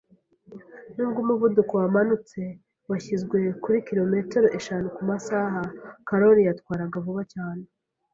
Nubwo umuvuduko wamanutse washyizwe kuri kilometero eshanu kumasaha, Karoli yatwaraga vuba cyane.